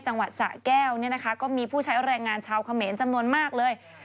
จังหวัดสะแก้วเนี่ยนะคะก็มีผู้ใช้แรงงานชาวเขมรจำนวนมากเลย